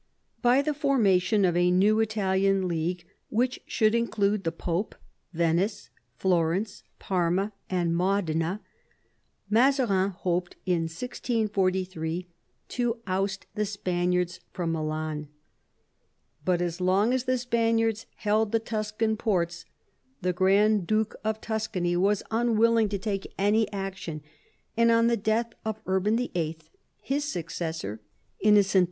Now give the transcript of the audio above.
By the formation of a new Italian League, which should include the Pope, Venice, Florence, Parma, and Modena, Mazarin hoped in 1643 to oust the Spaniards from Milan. But as long as the Spaniards held the Tuscan ports the Grand Duke of Tuscany was unwilling to take any action ; and on the death of Urban VIII. his successor. Innocent X.